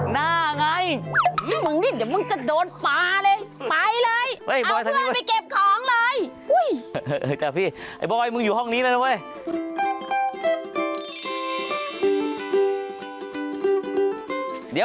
มาซื้อหอยเจมาซื้อหอยเลย